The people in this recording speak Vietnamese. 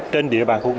trên địa bàn nhà nước